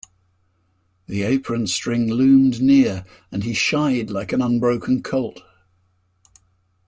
The apron string loomed near and he shied like an unbroken colt.